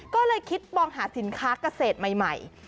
ก็เลยคิดมองหาสินค้าเกษตรใหม่